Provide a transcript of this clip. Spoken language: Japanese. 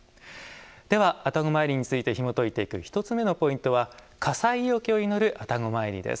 では愛宕詣りについてひもといていく１つ目のポイントは火災除けを祈る愛宕詣りです。